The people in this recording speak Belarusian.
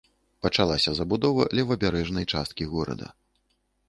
Пачалася забудова левабярэжнай часткі горада.